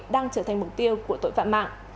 đang trở thành mục tiêu của tội phạm mạng